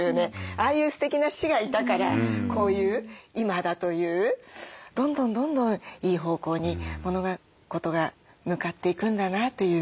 ああいうすてきな師がいたからこういう今だというどんどんどんどんいい方向に物事が向かっていくんだなという。